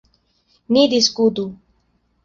Ni diskutu.